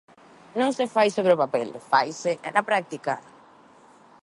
Non se fai sobre o papel, faise na práctica.